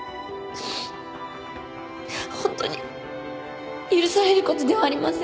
ホントに許されることではありません